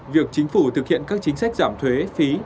việc chính phủ thực hiện các chính sách giảm thuế phí